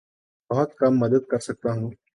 بہت کم مدد کر سکتا ہوں